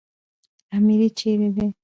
اميري چيري دئ؟